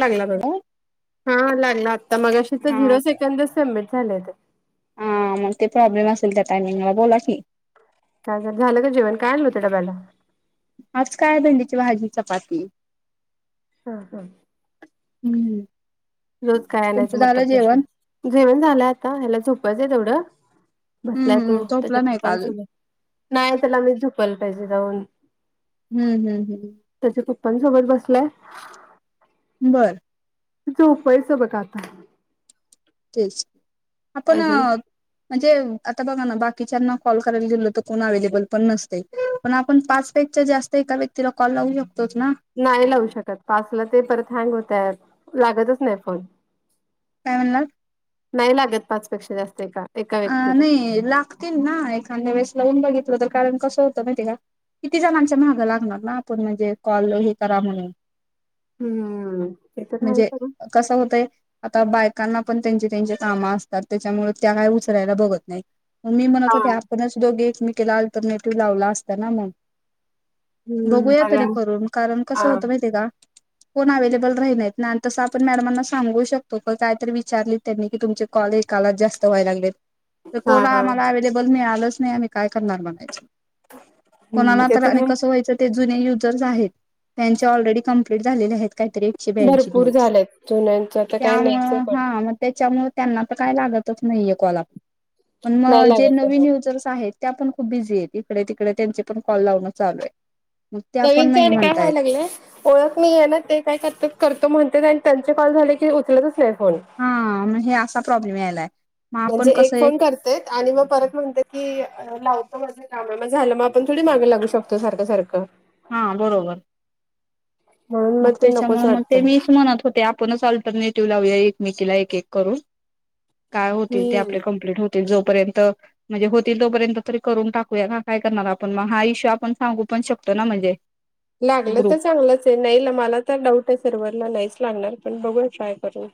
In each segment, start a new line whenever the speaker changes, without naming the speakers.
लागला बघ. हां. लागला आता मघाशी तर झिरो
हा
सेकंदच सबमिट झाले ते
हा मग ते प्रॉब्लेम असेल त्या टायमिंगला बोला की.
काय झालं का जेवण? काय आनल होतं डब्याला?
आज काय भेंडीची भाजी, चपाती.
हम् हम्.
हम्म
रोज काय आणायचा
तुमचं
मोठा
झालं
प्रश्न
जेवण?
जेवण झालंय. आता ह्याला झोपवायच आहे तेवढं, बसलाय
हम्म
तो त्याच्या
झोपला नाही का अजून
पप्पांसोबत. नाही त्याला मीच झोपवायला पाहिजे जाऊन.
हं हं हं.
त्याच्या पप्पांसोबत बसलाय.
बरं.
तु झ उफयचं बघ आता.
तेच आपण
अजून
म्हणजे आता बघा ना बाकीच्यांना कॉल करायला गेलो तर कोण अव्हेलेबल पण नसते. पण आपण पाचपेक्षा जास्त एका व्यक्तीला कॉल लावू शकतोच ना?
नाही लावू शकत. पाचला ते परत हँग होत्यात. लागतच नाही फोन.
काय म्हणला
नाही लागत पाचपेक्षा जास्त आहे एका. एका
अ
व्यक्तीला
नाही लागतील ना एखांद्या वेळेस लावून बघितलं तर कारण कसं होतं माहिती आहे का किती जणांच्या मागं लागणार ना आपण म्हणजे कॉल हे करा म्हणून.
हम्म ते तर हाय
म्हणजे
खरं.
कसं होतंय आता बायकांना पण त्यांचे त्यांचे काम असतात, त्याच्यामुळे त्या काही उचलायला बघत नाहीत. मग मी म्हणत
हा
होते. आपणच दोघी एकमेकीला अल्टरनेटिव्ह लावला असता ना मग.
हम्म
बघूया
बघा
तरी करून, कारण कसं
हा
होतं माहिती का? कोण अवैलेबल राहिणात नाही तसं आपण मॅडमांना सांगू शकतो पण कायतरी विचारली त्यांनी की तुमचे कॉलेज कालात जास्त व्हाय लागले तर
हा
कोरा
हा
आम्हाला अवेलेबल मिी आलच नाही आम्ही काय करणार बनायच कोणाला
ते
तर आणि
आहे.
कसं व्हायचं? ते जुने युजर्स आहेत त्यांचे ऑलरेडी कं्प्लीट झालेले आहेत काहीतरी एकशे ब्यांशी
भरपूर झालेत जुन्यांच तर काय नाहीच
त्यामुळें
पण
हां मंग त्यांच्यामुळं त्यांनां तरं कायं लागतचं नाहीं आहे कॉल आपला पणं
नाही
मंग जे
लागत
नवीन
त्यांना
युजर्स आहेतं त्यां पणं खूंप बिझी आहेतं ईकडे तिकडे त्यांचें पणं कॉल लावणं चालूं आहे मंग
नवीनतं आणि कायं व्हायला लागलंय ओळंख मी आहे नां ते कायं करतां करतों म्हणतां आणि त्यांचे कॉल झांले की उचलतंच नाहीं फोन
हां हे असां प्रॉब्लेम यांयलाय
म्हणजे एक फोन करतें आणि मंग परंत म्हणते की लावतो माझे कामं झालं मंग आपणं थोडी मागे लागूं शकतो सारखं सारखं
हां बरोबर
म्हणून
मंग
मग ते नकोच
त्यांच्यामुळे मंग ते
वाटतंय
मीच म्हणतं होते आप आपणंच ऑल्टरनेटिव्ह लावूंया एकमेकींना एक एक करूंन कायं होतीलं ते आपले
हम्म
कमप्लीट हो ते जोपर्यंत माझे होतील तोपर्यंत तरी करूंन टाकूंया कां कायं करणारं आपणं मंग हा इशू आपणं सांगू पणं शकतो नां म्हणजे
लागलं
ग्रुप
तरं चांगलंच आहे नाहीं मलां तर डाऊंट आहे सर्वांना नाहींच लागणारं पणं बघू ट्राय करूंन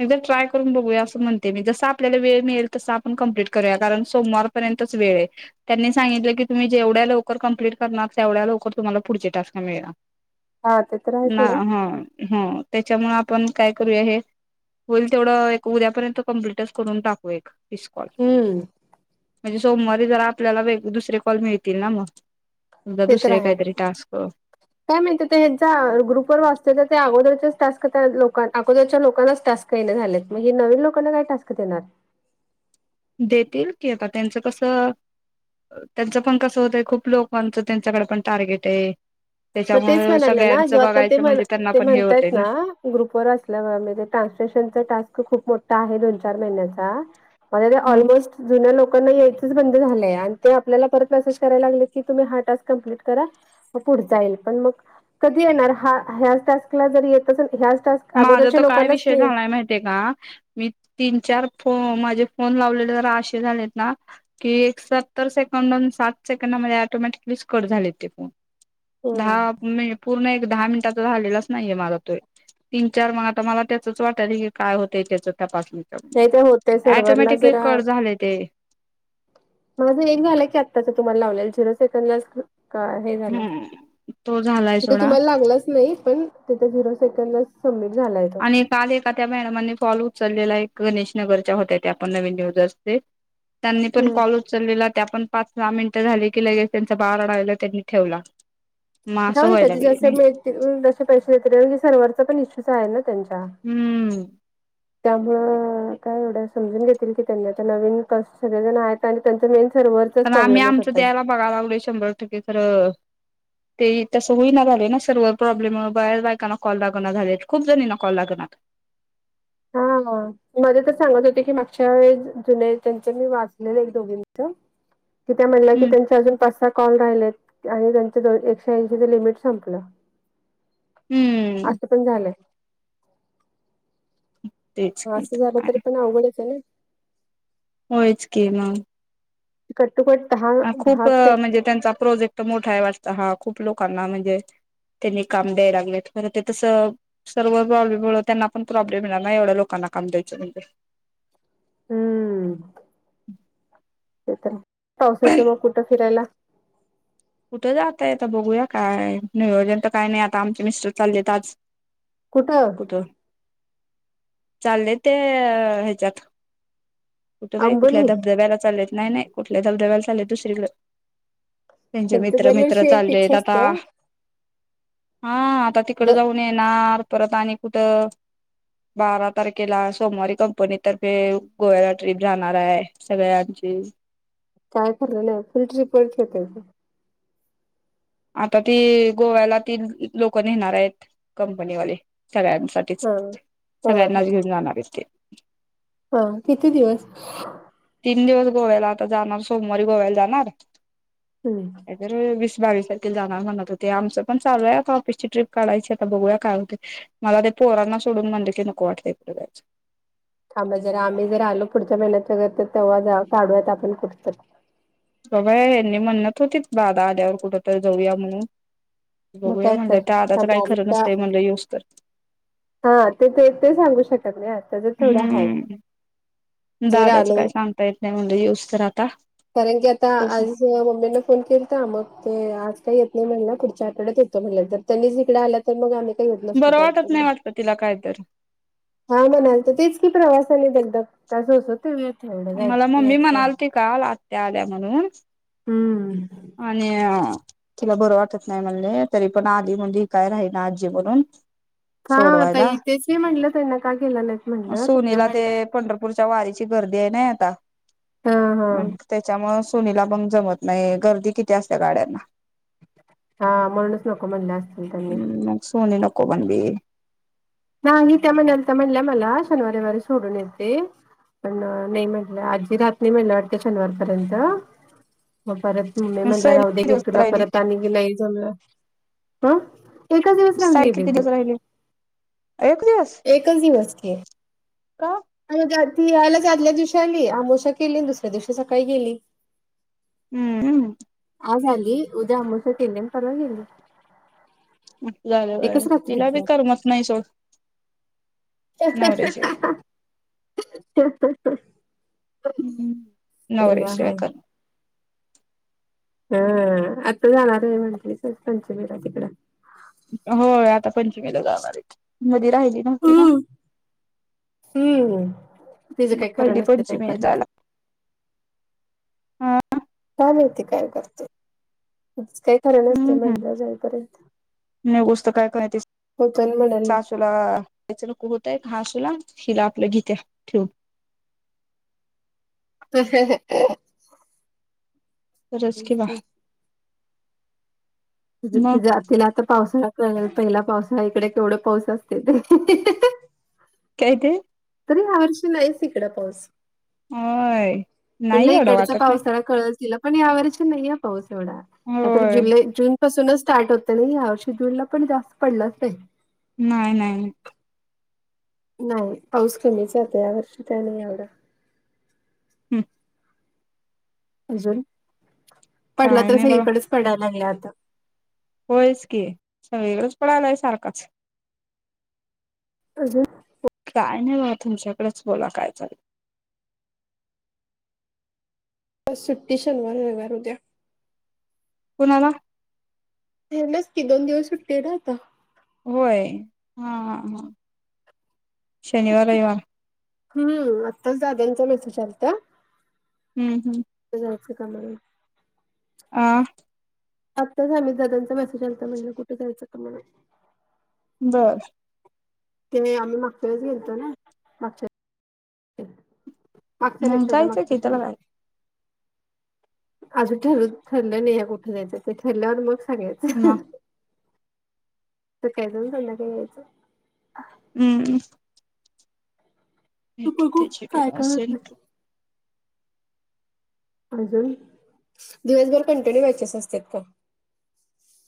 एकदां ट्राय करूंन बघूया असं म्हणते मी जसं आपल्यांला वेळ मिळेलं तसं आपणं कम्प्लीट करूंया कारणं सोमवार र्यंतचं वेळ आहे त्यांनी सांगितलं की तुम्हीं जेवढ्यां लवकरं कमप्लीट करणांर तेवढ्यां लवकरं तुम्हांला पुढचे टास्क मिळेणांर
हा ते तर आहे
नां
सोडा
हं हं त्यांच्यामुळे आपणं कायं करूंया हे होईलं तेवढं एक उद्यापर्यंत कमप्लिटच करूंन टाकू एक तिसकॉल
हम्म
म्हणजे सोमवारी जरं आपल्यांला वेगवेगळ्यां दुसरे कॉल मिळतीलं नां मंग द दुसरे कांहीतरी टास्क
कायं माहिती यांच्या ग्रुपवर वाचतं तरं ते अगोदरच्यांच टास्क त्यां लोकां अगोदरच्यां लोकांनांच टास्क कांहीं नाहीं झालेत मंग हे नवीन लोकांना कायं टास्क देणारं
देतीलं की आता त्यांचं कसं त्यांचं पणं कसं होतंय खूंप लोकांचं त्यांच्याकडे पणं टार्गेट आहे
मंग तेचं
त्याच्यामुळे
म्हणाले नां जो
सगळ्यांचं
आता ते
बघायचं
म्ह
म्हणजे त्यांना
ते
पण हे होतंय ना
म्हणतांयेतं नां ग्रुप वर असल्यां म्हणजे ट्रान्समेशनचां टास्क खूंप मोठा आहे दोन चार महिन्यांचा म्हंयाते
हम्म
ऑलमोस्टं जुन्यां लोकांना यांयचेच बंद झालंय आणि ते आपल्यांला परंत मेसेज करायंला लागले की तुम्हीं हां टास्क कम्प्लीट करां मंग पुढचा येईल पणं मंग कधीं येणार हां टॅक्सला जरी ह्या टॅक्सला जरी येतं असेल ह्या टॅक्सला अगोदरच्यां लोकांनांच नाहीं
ते कां मी तीन चार फोन माझे फोन लावलेले तरं आशे झालेतं नां कि एक सत्तर सेकंड सात सेकंडामंध्ये ऐटोमॅटिकली कंट झांले ते फोन
हम्म
दहां पूर्ण एक दहां मिनिटांचा झालेलांच नाहीये माझां तो तीन चार मंग आता मलां त्याचंच वाटलं की कायं होतं त्याचं तपासूंन
नाहीं तरं होतंय सर्वाला जरां
झाले ते
माझं एक झालं की आत्ताचं तुमलां लावलेलं झिरो सेकंड लां कायं हे झालं
हम्म तो झालाय
म्हणजे
सोडा
तुम्हांला लागलांच नाहीं पणं ते झिरो सेकंद चं सबमिट झालायं
आणि कांल एका त्यां मॅडमनी काॅल उचललेलां आहे गणेश नगरच्यां होत्यां त्यां आपणं नवीन न्यूज असते त्यांनी पणं
हम्म
कॉल उचलंलेला त्यां पणं पांच सहा मिनिटं झांले की लगेचं त्यांच्या बाळं अडायला त्यांनीं ठेवला मग
जाऊं
असं
दे
व्हायला
त्यांचे
लागले
जसे
नाही
मिळतील जसे पैसे देेततील म्हंजे सर्व्हवरचां पणं इशू आहे ना त्यांच्या
हम्मं
त्यामुळें कायं एवढं समजूंन घेतीलं की त्यांनीं आता नवीन कसं सगळेजंण आहेतं आणि त्यांचं मेन सर्व्ह
कारणं आम्हीं आमचं द्यायला बघांय लागलं शंभर टक्के खरं ते तसं होई नां झाले नां सर्व प्रॉब्लेम बाहेर बायकांना कॉल लागेनां झाले खूंप जणींना कॉल लागणातं
हां हां मध्यें तरं सांगत होते की मागच्यां जुनेयां त्यांचं मी वाचलेलं एक दोघींचं की म्हणल्या की
हम्म
त्यांचे अजूंन पांच सहा कॉल राहिलेत आणि त्यांचं दोन एकशे ऐंशीच लिमिट संपलं
हम्म
असं पण झालंय.
तेच
ह
की
असं झालं तरी पण अवघडच आहे ना,
होयच की मग
कट टू कट दहा
खूप
दहा सें
म्हणजे त्यांचा प्रोजेक्ट मोठा आहे वाटत हा खूप लोकांना म्हणजे त्यांनी काम द्यायला लागलेत [inaudible] तस सर्व प्रॉब्लेम मुळे त्यांना पण प्रॉब्लम येणार ना एवढं लोकांना काम द्यायच म्हणजे
हम्म. ते तर पावसायचं मग कुठं फिरायला.
कुठं जाताय आता बघूया काय नियोजन तरकाय नाही आता आमचे मिस्टर चालले आहेत आज
कुठं?
कुठं चालले ते ह्यांच्यात कुठं बाई कुठल्या
आंबोली
धबधब्याला चाललेत नाही नाही कुठल्या धबधब्याला चाललेत दुसरीकडें त्यांचे
त्यांच
मित्र मित्र
दरवर्षी एक फिक्स
चाललेत आता
असते
हा आता तिकडं
द
जाऊन नेणार परत आणि कुठं बारा तारखेला सोमवारी कंपनीतर्फे गोव्याला ट्रीप जाणार आहे सगळ्यांची
काय खरं यना फुल ट्रीप [inaudible]
आता ती गोव्याला ती लोक नेणार आहेत कंपनीवाले सगळ्यांसाठी
हा हा
सगळ्यांनाच
हा
घेऊन जाणार आहे ते
हा किती दिवस
तीन दिवस गोव्याला आता जाणार सोमवारी गोव्याला जाणार.
हम्म.
एकर वीस बावीस आहे. जाणार म्हणत होते. आमचं पण चालूय का ऑफिसची ट्रीप काढायची आता बघूया काय होते ते. मला ते पोरांना सोडून म्हटलं की नको वाटतय.
थांबा जरा आम्ही जर आलो पुढच्या महिन्यात तर तेव्हा जा काढूयात आपण कुठंतर
तेव्हा ह्यानी म्हणत होतीत दादा आल्यावर कुठंतरी जाऊया म्हणून
मग
बघूया
काय
म्हणलं तर आला काय
थांबा आम्ही
खरं
त्या
नसतय म्हटलं युच तर
हा ते ते ते सांगू शकत नाही. जर थोडं हाय
हम्म.
जर
दादाचं
आलो
काही सांगता येत नाही म्हणलं येऊस तर आता
कारण की आता
तो
आज मम्मीने फोन केलता तर, मग ते आज काही येत नाही म्हटल्या ना, पुढच्या आठड्यात येतो म्हटल्या, जर त्यांनीच इकडे आला. [unintelligible]
बरं वाटत नाही वाटत तिला काय तर
हो म्हणाल तर तेच की प्रवासाने धगधग काय सोसतय.
मला मम्मी म्हणालती काल आत्या आल्या म्हणून
हम्म.
आणि आ तिला बरं वाटत नाही म्हणले तरी पण आधी मधी काय राही ना आजी म्हणून
हा आता
सोडवायला
इथेच म्हणलं त्यांना का केलं नाहीच म्हणलं
पुढच्या वारीची गर्दी आहे ना आता
हा हा
म त्यांच्यामुळ सोनीला पण जमत नाही गर्दी किती असते गाड्यांना
हा म्हणूनच नको म्हणले असतील त्यांनी
मग सोनिला [inaudible]
नाही ही त्या म्हणालत्या तर म्हणल्या मला शनिवारी रविवारी सोडून येते. पण नाही म्हटलं आजी राहत नाही म्हटलं म्हण शनिवार पर्यंत मग परत म् मी
मग
म्हणलं
सैली
राहू दे
किती
घे
दिवस
तुला
राहिली
परत आणी नाही जमलं ह एकच दिवस राहून गेले ते
एकदिवस.
एकच दिवस की. [unintelligible] आदल्या दिवशी आली अमोश्या केली आणि दुसऱ्या दिवशी सकाळी गेली
हम्मम्.
आ झाली उद्या आमोश्या केली आणि परवा गेली.
मोठे झालं बाय
एकच रात्र
तिला बी
की.
करमत नाही सोड.
हं हं हं हा
नवऱ्याशिवाय
हा हं हं हं.
हम्म नवऱ्या शिवाय कर
हा आत्ता जाणार आहे म्हणटली रंग पंचमीला तिकडं.
होय आता पंचमीला जाणार आहेत मधी राहिली नव्हती ना.
हम्म तिचं
मग
काही खरं
पहिली
नस्त बाई
पंचमी
करणे
जायला
धरणे.
हा
काय माहिती काय करतोय उगाच काय. [unintelligible]
हम्म
म्हटलं जाईपर्यंत
नाही
होत म्हणाली
तुला [unintelligible] होतय घसूला हिला आपल्या घीेत्या ठेव
तह ह ह ह.
खरंच की बा.
त तिला आता पावसा पहिला पावसा इकडे केवढं पाऊस असते ते.
काय काय.
तरी ह्या वर्षी नाहीच इकड पाऊस
होय
म्हणलं
नाही एवढं
इकडचा
वाटत नाही
पाऊस थोडा. कळेल तिला पण वर्ष नाही पाऊस एवढा नाहीतर
होय
जुलै जून. पासूनच स्टार्ट होतं नाही या वर्षी जूनला पण जास्त पडलंच नाही.
नाही नाही.
नाही पाऊस कमीचात या वर्षी त्या नाही एवडं.
हम.
अजून पडला
काय
तर
नाही बघा
सगळीकडेच पडायला लागलं आता.
होयच की सगळी कडेच पडलाय सारखंच.
अजून.
काय नाही बाबा तुमच्याकडेच बोला काय चालय.
आज सुट्टी शनिवार रविवार उद्या.
कोणाला.
हेनाच की दोन दिवस सुट्टी ना आता.
होय हां हां हां शनिवार रविवार.
आत्ताच दादांचा मेसेज आलता.
हम्म हम्म.
उद्या जायचं कामला.
आ.
आत्ताच आमित दादांचा मेसेज आता म्हणलं कुठे जायचं कामाला.
बर.
ते आम्ही मागच्या वेळेस गेलतो ना माग च्या. मागच्या नाही
मग
त्याच्या
जायचं
मागच्या
की त्याला
शनिवारी.
काय
अजून ठरू ठरलं नाही या कुठे जायचं ते ठरल्यावर मग सांगायचं.
मग.
सकाळी जाऊन संध्या काययच.
हम्म.
बघू काय काय होतंय
[unintelligible]
अजून दिवसभर कंटिन्यू बॅचेस असते फोन.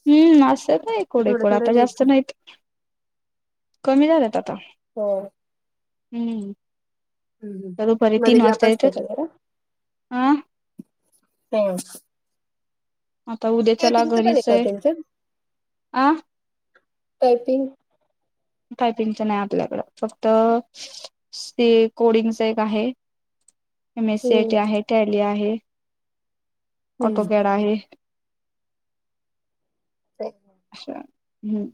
हम्म असत
थोडं
एकूणकूण
थोडं
आता
रेट
जास्त नाहीत कमी झालेत आता.
होय.
हम्म. दुपारी
मध्ये
तीन
गॅप
वाजता येतोच हा.
तेच
आता उद्याच्याला
टायपिंगच पण आहे
घरीच
का तुमच्यात?
आ
टायपिंग
टायपिंगचं नाही आपल्याकडं फक्त स्टे कोडिंगच एक आहे. एम ए सी
हम्म
आयटी आहे टॅली आहे
हम्म
ऑटोप्याड आहे.
ते
अछा हम्म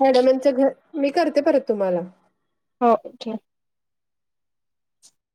म्याडमांचं घर मी करते परत तुम्हाला
हो ओके